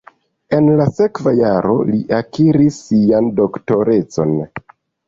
En la sekva jaro li akiris sian doktorecon.